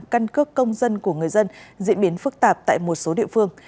căn cước công dân của người dân diễn biến phức tạp tại một số địa phương